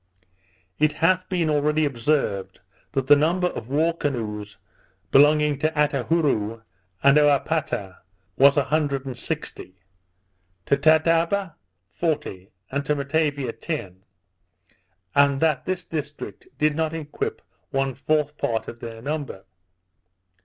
It hath been already observed, that the number of war canoes belonging to Attahourou and Ahopata was a hundred and sixty; to Tettaba, forty; and to Matavia, ten; and that this district did not equip one fourth part of their number.